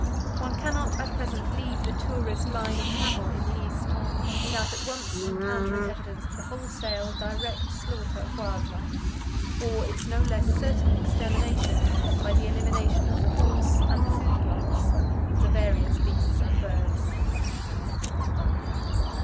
One cannot at present leave the tourist line of travel in the East without at once encountering evidence of the wholesale direct slaughter of wild life, or its no less certain extermination by the elimination of the haunts and the food plants of the various beasts and birds.